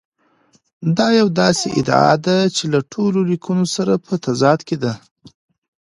دا یوه داسې ادعا ده چې له ټولو لیکونو سره په تضاد کې ده.